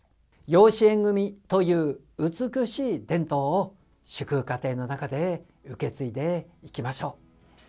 養子縁組みという美しい伝統を、祝福家庭の中で受け継いでいきま